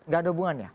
nggak ada hubungannya